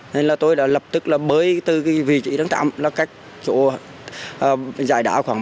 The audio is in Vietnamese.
nên là tôi đã lập tức là bơi từ cái vị trí đứng trạm là cách chỗ dài đá khoảng